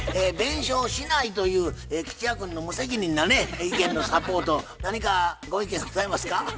弁償しないという吉弥君の無責任なね意見のサポート何かご意見ございますか？